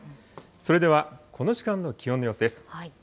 それではこの時間の気温の様子です。